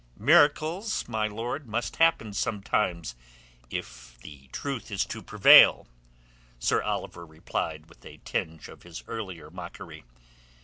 "Miracles, my lord, must happen sometimes if the truth is to prevail," Sir Oliver replied with a tinge of his earlier mockery.